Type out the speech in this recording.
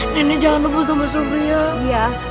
nenek jangan lupa sama suami ya